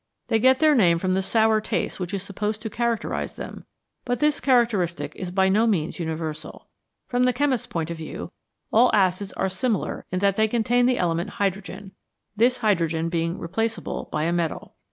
They get their name from the sour taste which is supposed to characterise them, but this characteristic is by no means universal. From the chemist's point of view, all acids are similar in that they contain the element hydrogen, this hydrogen being replaceable by a metal.